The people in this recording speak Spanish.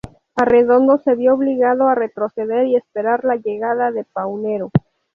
Arredondo se vio obligado a retroceder y esperar la llegada de Paunero.